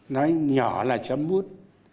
nói nhỏ là chấm mút